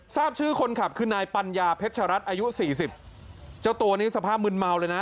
ทราบชื่อคนขับคือนายปัญญาเพชรัตน์อายุสี่สิบเจ้าตัวนี้สภาพมืนเมาเลยนะ